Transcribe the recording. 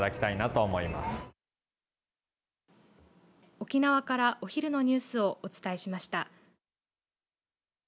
沖縄から、お昼のニュースをお伝えしました。